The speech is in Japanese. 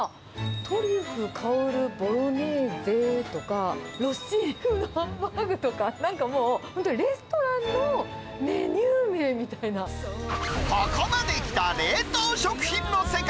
トリュフ薫るボロネーゼとか、ロッシーニ風ハンバーグとか、なんかもう、本当にレストランのここまで来た冷凍食品の世界。